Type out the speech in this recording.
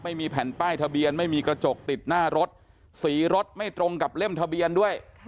ไม่มีแผ่นป้ายทะเบียนไม่มีกระจกติดหน้ารถสีรถไม่ตรงกับเล่มทะเบียนด้วย